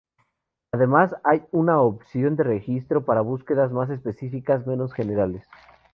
Además, hay una opción de registro para búsquedas más específicas, menos generales.